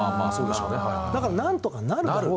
だからなんとかなるだろうと。